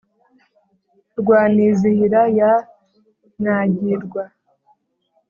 rwa nizihira ya mwagirwa,